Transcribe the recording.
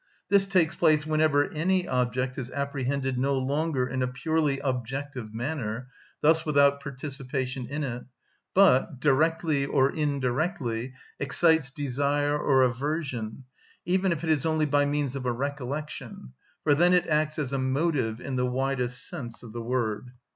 This takes place whenever any object is apprehended no longer in a purely objective manner, thus without participation in it, but, directly or indirectly, excites desire or aversion, even if it is only by means of a recollection, for then it acts as a motive in the widest sense of the word.